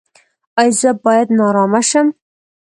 ایا زه باید نارامه شم؟